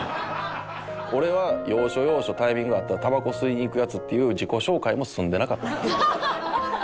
「俺は要所要所タイミングあったらタバコ吸いに行くヤツ」っていう自己紹介も済んでなかった。